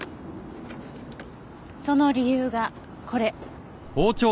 その理由がこれ。